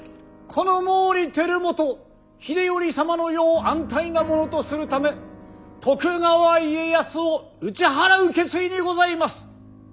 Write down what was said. この毛利輝元秀頼様の世を安泰なものとするため徳川家康を打ち払う決意にございます！